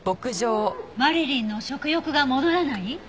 マリリンの食欲が戻らない？